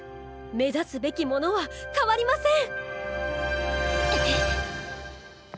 目指すべきものは変わりません！